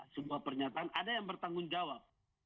sebuah pernyataan ada yang bertanggung jawab